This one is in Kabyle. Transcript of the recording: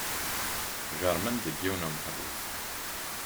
Jerrmen deg yiwen umeḥbus.